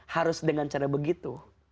harus dengan cara begitu